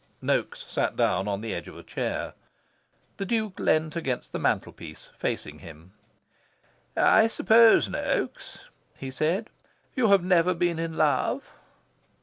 Noaks sat down on the edge of a chair. The Duke leaned against the mantel piece, facing him. "I suppose, Noaks," he said, "you have never been in love."